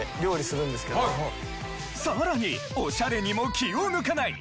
さらにお洒落にも気を抜かない。